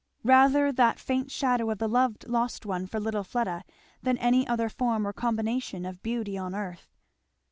Rather that faint shadow of the loved lost one for little Fleda, than any other form or combination of beauty on earth.